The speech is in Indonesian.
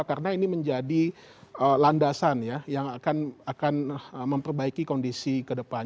karena ini menjadi landasan ya yang akan memperbaiki kondisi kedepan